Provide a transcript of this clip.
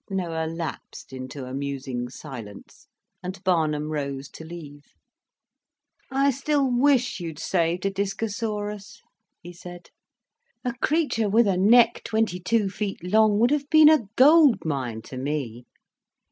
Noah lapsed into a musing silence, and Barnum rose to leave. "I still wish you'd saved a Discosaurus," he said. "A creature with a neck twenty two feet long would have been a gold mine to me.